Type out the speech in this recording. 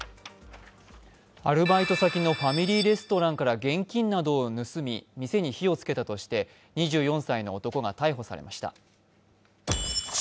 アルバイト先のファミリーレストランから現金などを盗み、店に火をつけたとして２４歳の男が逮捕されました。